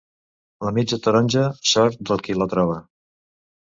La mitja taronja, sort del qui la troba.